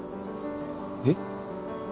えっ？